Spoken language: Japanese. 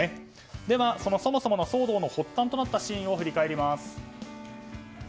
では、そもそもの騒動の発端となったシーンを振り返ります。